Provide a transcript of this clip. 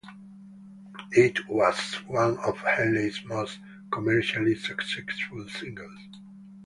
It was one of Henley's most commercially successful singles.